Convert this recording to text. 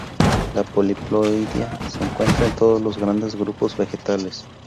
La poliploidía se encuentra en todos los grandes grupos vegetales.